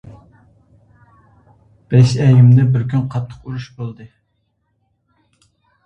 باشئەگىمدە بىر كۈن قاتتىق ئۇرۇش بولدى.